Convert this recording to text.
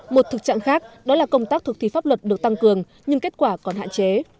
một thực trạng khác đó là công tác thực thi pháp luật được tăng cường nhưng kết quả còn hạn chế